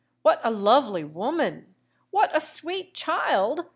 "What a lovely woman!" "What a sweet child!"